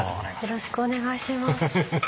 よろしくお願いします。